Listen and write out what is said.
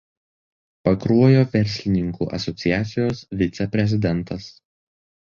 Pakruojo verslininkų asociacijos viceprezidentas.